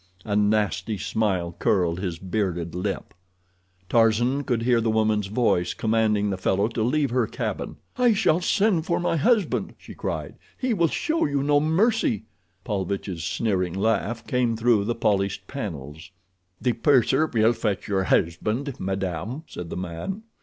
A nasty smile curled his bearded lip. Tarzan could hear the woman's voice commanding the fellow to leave her cabin. "I shall send for my husband," she cried. "He will show you no mercy." Paulvitch's sneering laugh came through the polished panels. "The purser will fetch your husband, madame," said the man.